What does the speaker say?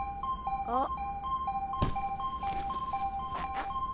あっ。